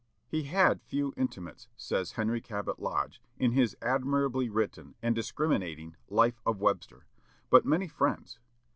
"He had few intimates," says Henry Cabot Lodge, in his admirably written and discriminating "Life of Webster," "but many friends.